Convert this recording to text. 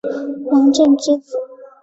王震之子。